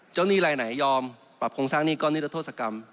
เจ้านี่อะไรไหนยอมปรับโครงสร้างหนี้ก็นิทรศกรรม